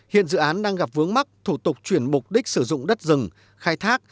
hiện dự án đang gặp vướng mắc thủ tục chuyển mục đích sử dụng đất rừng khai thác